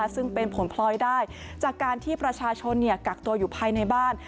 ซึ่งเป็นผลพลอยได้จากการที่ประชาชนกักตัวอยู่ภายในบ้าน